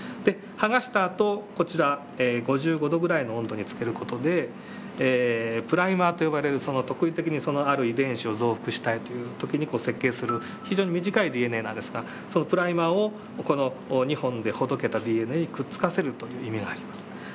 剥がしたあとこちら５５度ぐらいの温度につける事でプライマーと呼ばれる特異的にある遺伝子を増幅したいという時に設計する非常に短いＤＮＡなんですがそのプライマーをこの２本でほどけたＤＮＡにくっつかせるという意味があります。